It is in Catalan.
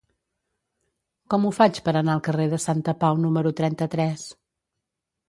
Com ho faig per anar al carrer de Santapau número trenta-tres?